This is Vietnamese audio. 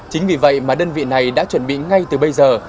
chính vì vậy mà đơn vị này đã chuẩn bị ngay từ bây giờ